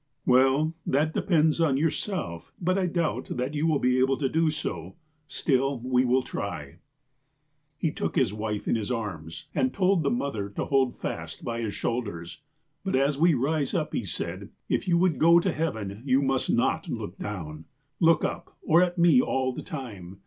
" 'Well, tluit depends on yourself. But I doubt that you will be able to do so. Still, we will try.' THE SON OF THE HEAVENLY CHIEF 111 " He took his wife in his arms, and told the mother to hold fast by his shoulders. '^ 'But, as we rise up,' he said, 'if you would go to heaven, you must not look down. Look up, or at me, all the time.